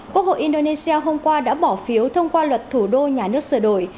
quốc hội indonesia hôm qua đã bỏ phiếu thông qua luật thủ đô nhà nước sửa đổi